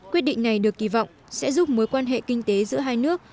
quyết định này được kỳ vọng sẽ giúp mối quan hệ kinh tế giữa hai nước